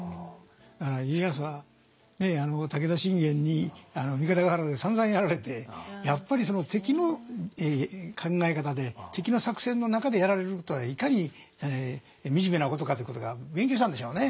家康は武田信玄に三方ヶ原でさんざんやられてやっぱり敵の考え方で敵の作戦の中でやられることはいかに惨めなことかっていうことが勉強したんでしょうね。